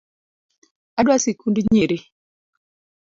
Adwa sikund nyiri